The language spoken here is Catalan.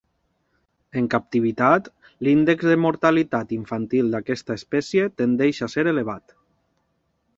En captivitat, l'índex de mortalitat infantil d'aquesta espècie tendeix a ser elevat.